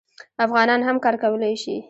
افغانان هم کار کولی شي.